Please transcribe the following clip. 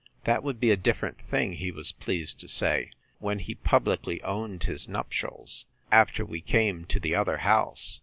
That would be a different thing, he was pleased to say, when he publicly owned his nuptials, after we came to the other house.